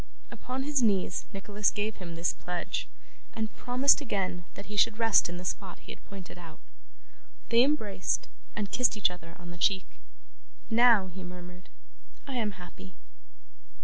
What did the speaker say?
Upon his knees Nicholas gave him this pledge, and promised again that he should rest in the spot he had pointed out. They embraced, and kissed each other on the cheek. 'Now,' he murmured, 'I am happy.